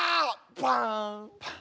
パン！